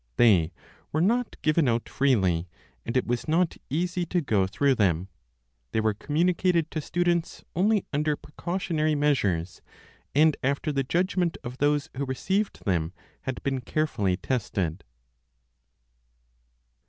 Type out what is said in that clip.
They were not given out freely, and it was not easy to go through them. They were communicated to students only under precautionary measures, and after the judgment of those who received them had been carefully tested.